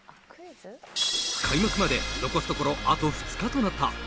開幕まで残すところあと２日となったＦＩＦＡ